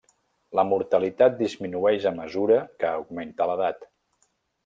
La mortalitat disminueix a mesura que augmenta l'edat.